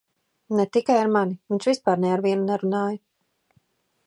Ne tikai ar mani - viņš vispār ne ar vienu nerunāja.